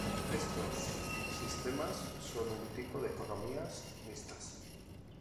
Estos sistemas son un tipo de economías mixtas.